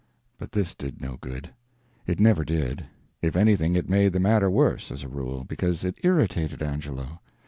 But this did no good. It never did. If anything, it made the matter worse, as a rule, because it irritated Angelo.